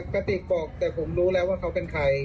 กระติกบอกแต่ผมรู้แล้วว่าเขาเป็นใคร